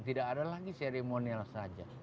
tidak ada lagi seremonial saja